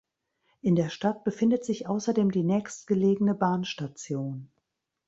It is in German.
In der Stadt befindet sich außerdem die nächstgelegene Bahnstation.